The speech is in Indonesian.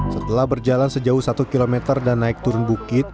setelah berjalan sejauh satu km dan naik turun bukit